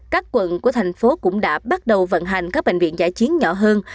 các quận của thành phố cũng đã bắt đầu vận hành các bệnh viện giải chiến nhỏ hơn